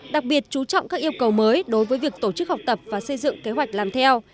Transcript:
đặc biệt chú trọng các yêu cầu mới đối với việc tổ chức học tập và xây dựng kế hoạch làm theo